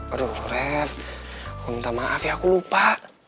aduh ref aku minta maaf ya aku lupa